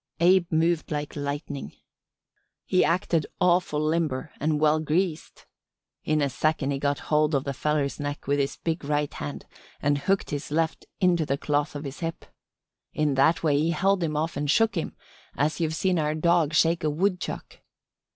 Abe moved like lightning. He acted awful limber an' well greased. In a second he had got hold of the feller's neck with his big right hand and hooked his left into the cloth on his hip. In that way he held him off and shook him as you've seen our dog shake a woodchuck.